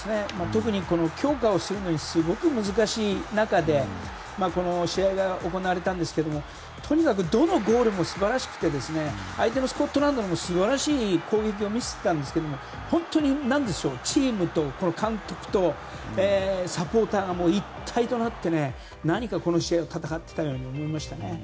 特に強化をするのにすごく難しい中でこの試合が行われたんですがとにかく、どのゴールも素晴らしくて相手のスコットランドも素晴らしい攻撃を見せていたんですけれども本当にチームと監督とサポーターも一体となって何かこの試合を戦っていたように思えましたね。